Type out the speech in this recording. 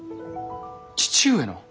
父上の？